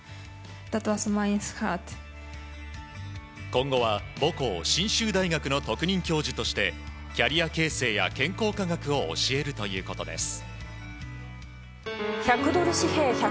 今後は母校・信州大学の特任教授としてキャリア形成や健康科学を教えるということです。